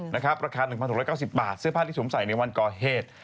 ราคา๑๖๙๐บาทเสื้อผ้าที่สวมใส่ในวันก่อเหตุ